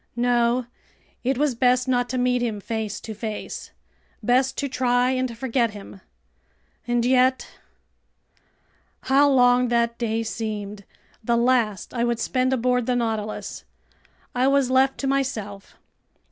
No! It was best not to meet him face to face! Best to try and forget him! And yet ...! How long that day seemed, the last I would spend aboard the Nautilus! I was left to myself.